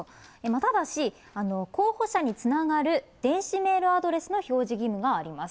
ただし、候補者につながる電子メールアドレスの表示義務があります。